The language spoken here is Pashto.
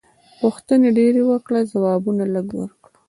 پوښتنې ډېرې وکړه ځوابونه لږ ورکړه.